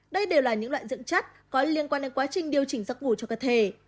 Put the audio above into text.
đây đều là những loại dưỡng chất có liên quan đến quá trình điều chỉnh giấc ngủ cho cơ thể